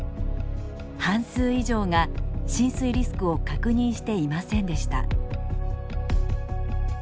半数以上が浸水リスクを確認していませんでした。